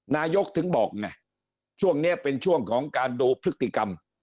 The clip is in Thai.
นายกถึงบอกไงช่วงนี้เป็นช่วงของการดูพฤติกรรม